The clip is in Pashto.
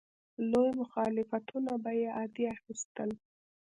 لوی مخالفتونه به یې عادي اخیستل.